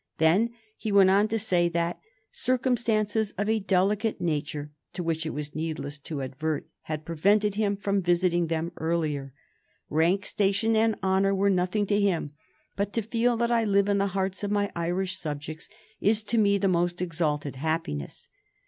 Then he went on to say that "circumstances of a delicate nature," to which it was needless to advert, had prevented him from visiting them earlier. Rank, station, and honor were nothing to him, but "to feel that I live in the hearts of my Irish subjects is to me the most exalted happiness."